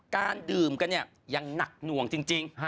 การดื่มกันเนี่ยยังหนักหน่วงจริง